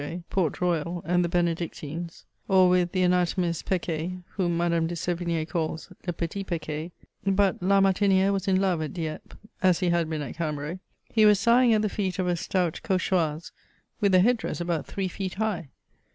N 178 MEMOIRS OF against Bossuet, Port Royal, and the Benedictines, or with the anatomist Pecquet, whom Madame de S^vign^ calls '* Le petit Pecquet ;" hut La Martini^re was in love at Dieppe, as he had heen at Camhray ; he was sighing at the feet of a stout cauchoise, with a head dress ahout three feet high.